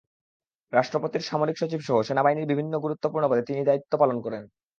রাষ্ট্রপতির সামরিক সচিবসহ সেনাবাহিনীর বিভিন্ন গুরুত্বপূর্ণ পদে তিনি দায়িত্ব পালন করেন।